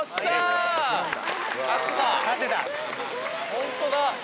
ホントだ。